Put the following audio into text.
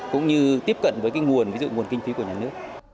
cũng như tiếp cận với cái nguồn ví dụ nguồn kinh phí của nhà nước